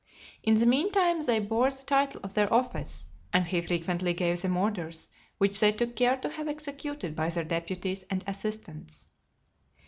In the meantime, they bore the title of their office; and he frequently gave them orders, which they took care to have executed by their deputies and assistants.